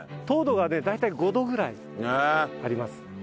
糖度がね大体５度ぐらいあります。